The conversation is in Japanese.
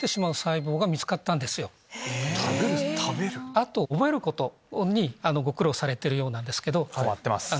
あと覚えることにご苦労されてるようなんですけど。